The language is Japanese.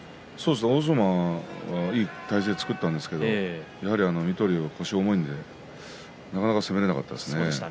欧勝馬、いい体勢を作ったんですけれどもやはり水戸龍の腰が重いのでなかなか攻められなかったですね。